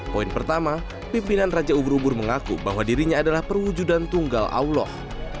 poin pertama pimpinan raja ubur ubur mengaku bahwa dirinya adalah perwujudan tunggal allah